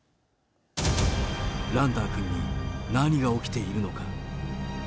ランダーくんに何が起きているのか。